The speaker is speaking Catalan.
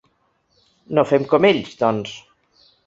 No fem com ells, doncs.